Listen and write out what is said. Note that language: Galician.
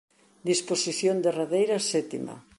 Disposición derradeira sétima.